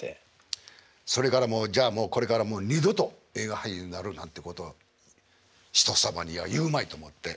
それからじゃあもうこれから二度と映画俳優になろうなんてこと人様には言うまいと思って。